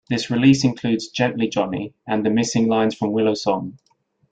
This release includes "Gently Johnny" and the missing lines from "Willow Song.